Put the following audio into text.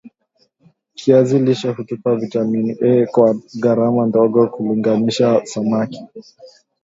kiazi lishe hutupa vitamini A kwa gharama ndogo kulinganisha samak